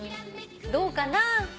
どうかな？